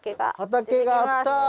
畑があった！